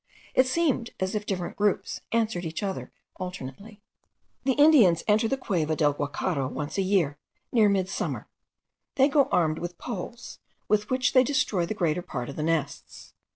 It seemed as if different groups answered each other alternately. The Indians enter the Cueva del Guacharo once a year, near midsummer. They go armed with poles, with which they destroy the greater part of the nests.